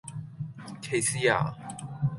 歧視呀?